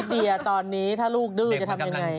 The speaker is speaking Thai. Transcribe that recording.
เดียตอนนี้ถ้าลูกดื้อจะทำยังไง